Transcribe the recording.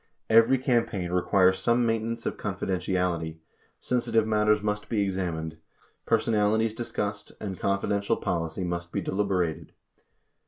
Every campaign requires some maintenance of con fidentiality : sensitive matters must be examined; personalities dis cussed ; and confidential policy must be deliberated.